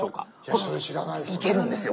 それ知らないですね。